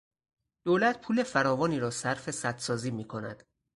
دولت پول فراوانی را صرف سد سازی میکند.